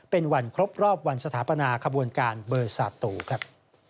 เป็นวันครบรอบวันสถาปนาขบวนการเบอร์สาตูครับ